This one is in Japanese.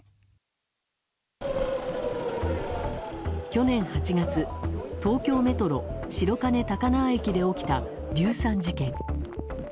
去年８月、東京メトロ白金高輪駅で起きた硫酸事件。